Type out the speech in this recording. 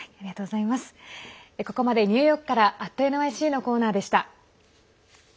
ここまでニューヨークから「＠ｎｙｃ」のコーナーでした。